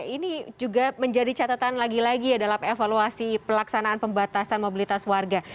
ini juga menjadi catatan lagi lagi dalam evaluasi pelaksanaan pembatasan mobilitas warga